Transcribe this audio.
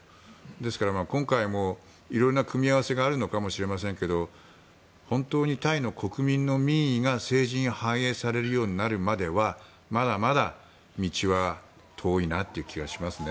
ですから、今回も色んな組み合わせがあるのかもしれませんが本当にタイの国民の民意が政治に反映されるようになるまではまだまだ道は遠いなという気がしますね。